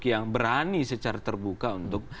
yang berani secara terbuka untuk